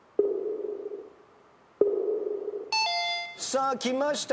さあきました。